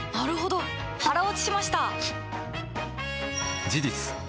腹落ちしました！